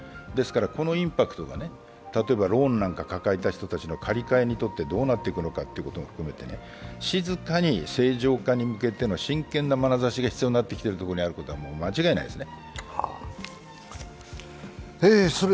このインパクトがローンを抱えた人たちの借り換えにどうなっていくのかということも含めて静かに正常化に向けての真剣なまなざしが必要になってきていることは間違いないですね。